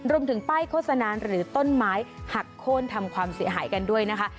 รวมถึงป้ายโฆษณาหรือต้นไม้หักโค้นทำความเสียหายกันด้วยนะคะ